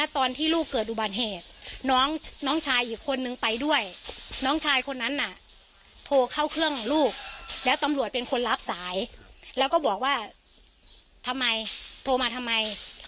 ตอนที่ลูกเกิดอุบัติเหตุน้องชายอีกคนนึงไปด้วยน้องชายคนนั้นน่ะโทรเข้าเครื่องลูกแล้วตำรวจเป็นคนรับสายแล้วก็บอกว่าทำไมโทรมาทำไม